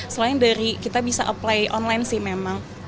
selain dari kita bisa apply online sih memang